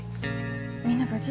みんな無事？